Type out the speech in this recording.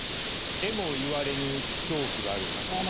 えも言われぬ恐怖があるよな。